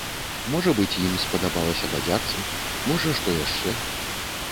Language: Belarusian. Можа быць, ім спадабалася бадзяцца, можа, што яшчэ?